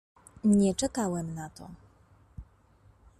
"Nie czekałem na to."